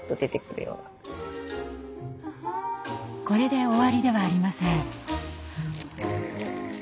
これで終わりではありません。